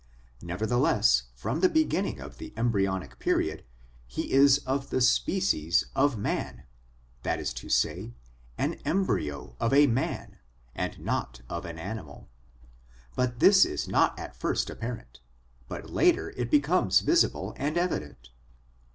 Nevertheless, from the beginning of the embryonic period he is of the species of man ; that is to say, an embryo of a man, and not of an animal; but this is POWERS AND CONDITIONS OF MAN 225 not at first apparent, but later it becomes visible and evident.